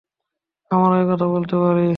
আমরা এ কথা বলতে পারি।